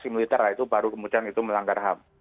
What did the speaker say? militer lah itu baru kemudian itu melanggar ham